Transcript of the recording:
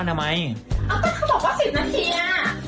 อ่ะแต่เธอบอกว่าสิบนาทีมั้น